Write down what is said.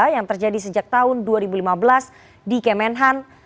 yang terjadi sejak tahun dua ribu lima belas di kemenhan